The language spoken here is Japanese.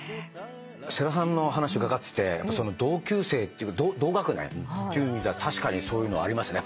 世良さんの話伺ってて同級生同学年っていう意味では確かにそういうのありますね。